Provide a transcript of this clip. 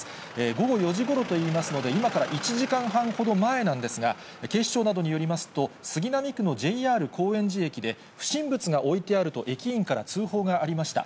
午後４時ごろといいますので、今から１時間半ほど前なんですが、警視庁などによりますと、杉並区のＪＲ高円寺駅で不審物が置いてあると、駅員から通報がありました。